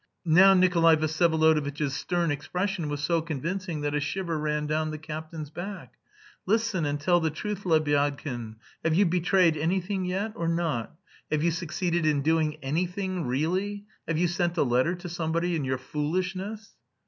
Now Nikolay Vsyevolodovitch's stern expression was so convincing that a shiver ran down the captain's back. "Listen, and tell the truth, Lebyadkin. Have you betrayed anything yet, or not? Have you succeeded in doing anything really? Have you sent a letter to somebody in your foolishness?"